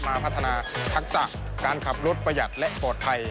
มาพัฒนาทักษะการขับรถประหยัดและปลอดภัย